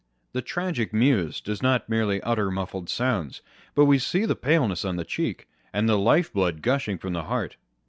The tragic Muse does not merely utter muffled sounds : but we see the paleness on the cheek, and the lifeblood gushing from the heart